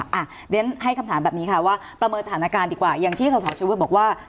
เดี๋ยวฉันให้คำถามแบบนี้ค่ะว่าประเมินสถานการณ์ดีกว่าอย่างที่สาวชีวิตบอกว่า